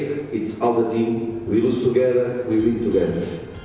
ketika ada kesalahan itu semua tim kita kalah bersama kita menang bersama